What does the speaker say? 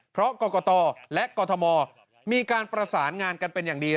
เพราะกรกตและกรทมมีการประสานงานกันเป็นอย่างดี